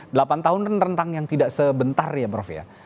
delapan tahun kan rentang yang tidak sebentar ya prof ya